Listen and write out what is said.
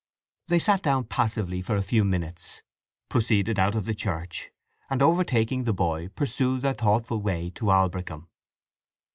They sat down passively for a few minutes, proceeded out of the church, and overtaking the boy pursued their thoughtful way to Aldbrickham.